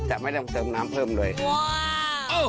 แต่ไม่ต้องเติมน้ำเพิ่มเลยนะครับว้าว